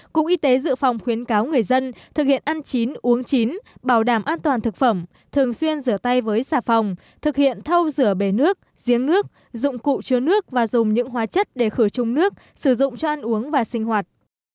cục y tế dự phòng khuyến cáo người dân thực hiện ăn chín uống chín bảo đảm an toàn thực phẩm thường xuyên rửa tay với xà phòng thực hiện thâu rửa bề nước giếng nước dụng cụ chứa nước và dùng những hóa chất để khử trung nước sử dụng cho ăn uống và sinh hoạt